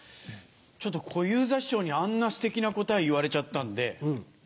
ちょっと小遊三師匠にあんなステキな答え言われちゃったんで。